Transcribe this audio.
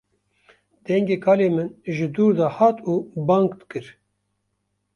Dengê kalê min ji dûr de hat û bang dikir